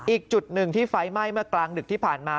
อีกจุดหนึ่งที่ไฟไหม้เมื่อกลางดึกที่ผ่านมา